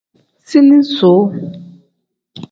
Ziini suu.